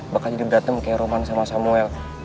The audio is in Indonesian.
bakal jadi berantem kayak roman sama samuel